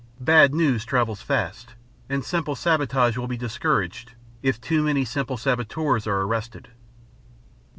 Bad news travels fast, and simple sabotage will be discouraged if too many simple saboteurs are arrested.